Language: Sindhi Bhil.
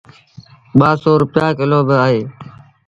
ٻآسو رپيآ ڪلو با اهي۔